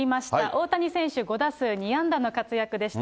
大谷選手、５打数２安打の活躍でした。